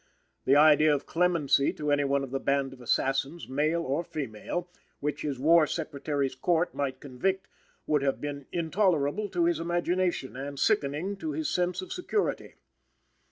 The idea of clemency to any one of the band of assassins, male or female, which his War Secretary's court might convict, would have been intolerable to his imagination and sickening to his sense of security.